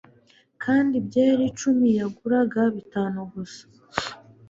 Kandi byeri cumi yaguraga bitanu gusa